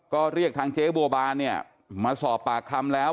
ก็เรียกทางเจ๊บัวบานเนี่ยมาสอบปากคำแล้ว